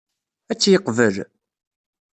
Ad tt-yeqbel?